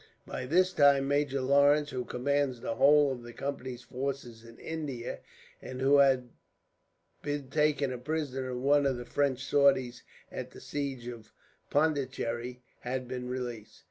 By this time Major Lawrence, who commands the whole of the Company's forces in India, and who had been taken a prisoner in one of the French sorties at the siege of Pondicherry, had been released.